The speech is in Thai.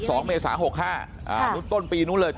โอเคครับโอเค